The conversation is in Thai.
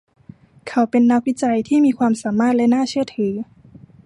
เขาเป็นนักวิจัยที่มีความสามารถและน่าเชื่อถือ